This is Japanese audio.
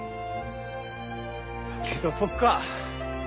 けどそっか。